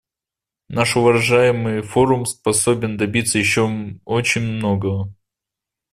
Наш уважаемый форум способен добиться еще очень многого.